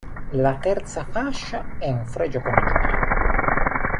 La terza fascia è un fregio con animali.